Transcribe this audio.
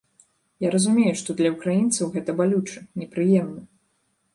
Я разумею, што для ўкраінцаў гэта балюча, непрыемна.